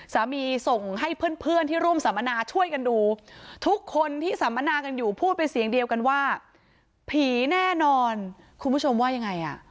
ส่งให้เพื่อนเพื่อนที่ร่วมสัมมนาช่วยกันดูทุกคนที่สัมมนากันอยู่พูดเป็นเสียงเดียวกันว่าผีแน่นอนคุณผู้ชมว่ายังไงอ่ะ